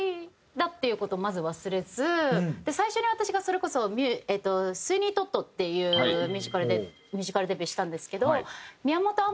やっぱり最初に私がそれこそ『スウィニー・トッド』っていうミュージカルでミュージカルデビューしたんですけど宮本亞